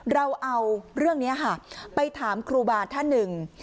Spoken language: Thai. เราเอาเรื่องนี้ค่ะไปถามครูบาท่านหนึ่ง